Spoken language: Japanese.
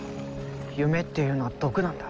夢っていうのは毒なんだ。